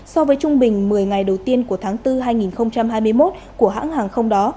so với trung bình một mươi ngày đầu tiên của tháng bốn hai nghìn hai mươi một của hãng hàng không đó